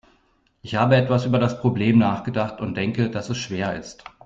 Ich habe etwas über das Problem nachgedacht und denke, dass es schwer ist.